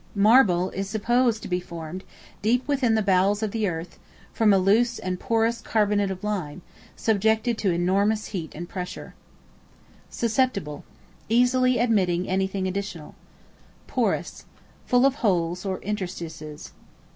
Marble is supposed to be formed, deep within the bowels of the earth, from a loose and porous carbonate of lime, subjected to enormous heat and pressure. Susceptible, easily admitting anything additional. Porous, full of holes, or interstices.